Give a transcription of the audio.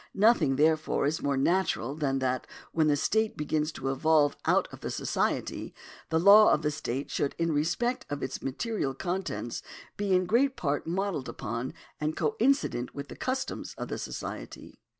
Nothing, therefore, is more natural than that, when the state begins to evolve out of the society, the law of the state should in respect of its material contents be in great part modelled upon and coincident with the customs of the society.